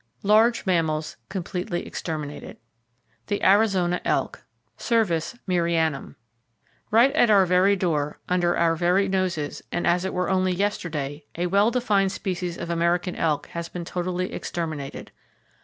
Large Mammals Completely Exterminated The Arizona Elk, (Cervus merriami). —Right at our very door, under our very noses and as it were only yesterday, a well defined species of American elk has been totally exterminated.